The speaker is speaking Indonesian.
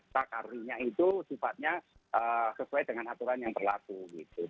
sakarnya itu sifatnya sesuai dengan aturan yang berlaku gitu